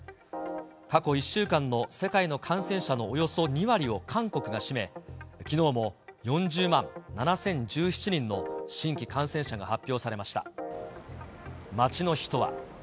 過去１週間の世界の感染者のおよそ２割を韓国が占め、きのうも４０万７０１７人の新規感染者が発表されました。